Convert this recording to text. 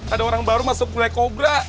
ada orang baru masuk mulai kobra